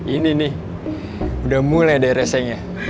ini nih udah mulai deh reseinya